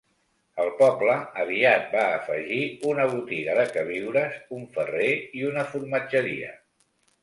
El poble aviat va afegir una botiga de queviures, un ferrer i una formatgeria.